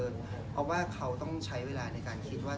เพราะว่าเขาต้องใช้เวลาในการคิดว่า